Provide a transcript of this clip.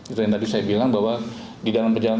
itu yang tadi saya bilang bahwa di dalam perjalanan